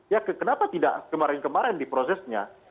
ya kenapa tidak kemarin kemarin diprosesnya